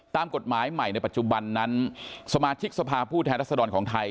ตามกฎหมายใหม่ในปัจจุบันนั้นสมาชิกสภาพผู้แทนรัศดรของไทย